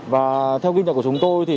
và theo kinh tạp của chúng tôi